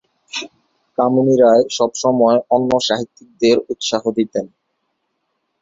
কামিনী রায় সবসময় অন্য সাহিত্যিকদের উৎসাহ দিতেন।